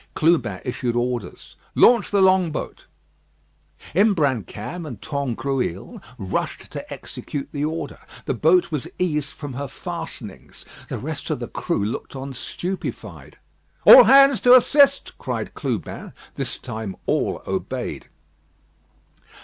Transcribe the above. Clubin issued orders: "Launch the long boat." Imbrancam and Tangrouille rushed to execute the order. The boat was eased from her fastenings. The rest of the crew looked on stupefied. "All hands to assist," cried Clubin. This time all obeyed.